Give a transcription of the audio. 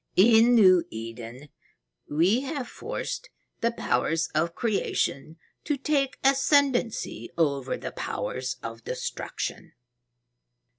In New Eden, we have forced the powers of creation to take ascendency over the powers of destruction."